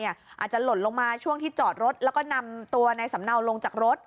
อาจจะหล่นลงมาช่วงที่จอดรถแล้วก็นำตัวในสำเนาลงจากรถ